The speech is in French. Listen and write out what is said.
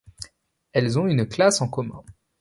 Elles ont une classe en commun.